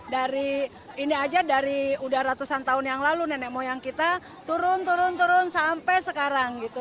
dari ini aja dari udah ratusan tahun yang lalu nenek moyang kita turun turun turun sampai sekarang gitu